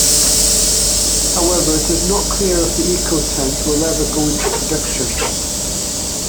However, it is not clear if the eco-tent will ever go into production.